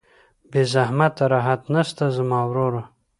بې زحمته راحت نسته زما وروره